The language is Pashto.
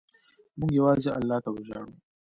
موږ یوازې الله ته وژاړو.